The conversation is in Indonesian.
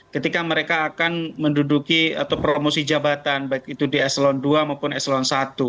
ketika mereka akan menduduki atau promosi jabatan baik itu di eselon ii maupun eselon i